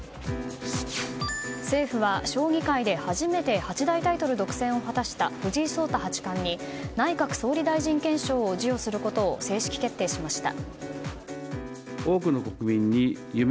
政府は将棋界で初めて八大タイトル独占を果たした藤井聡太八冠に内閣総理大臣顕彰を授与することを正式決定しました。